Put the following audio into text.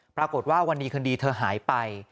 ปรากฏว่าวันนี้คดีเธอหายไป